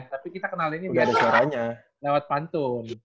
tapi kita kenalinnya biar lewat pantun